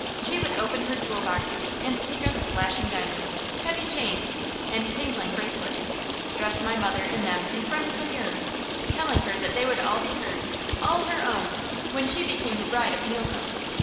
She would open her jewel boxes and take out the flashing diamonds, heavy chains, and tinkling bracelets, dress my mother in them in front of the mirror, telling her that they would all be hers all her own when she became the bride of Mulke.